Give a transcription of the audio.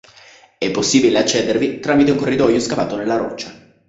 È possibile accedervi tramite un corridoio scavato nella roccia.